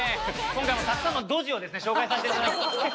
今回もたくさんのドジをですね紹介させて頂きたい。